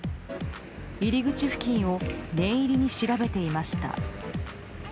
入り口付近を念入りに調べていました。